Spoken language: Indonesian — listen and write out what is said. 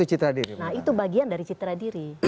nah itu bagian dari citra diri